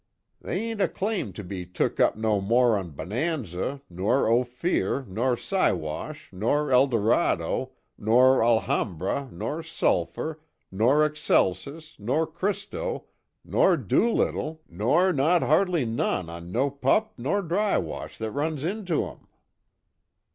They ain't a claim to be took up no more on Bonanza, nor Ophir, nor Siwash, nor Eldorado, nor Alhambra, nor Sulphur, nor Excelsis, nor Christo, nor Doolittle, nor not hardly none on no pup nor dry wash that runs into 'em."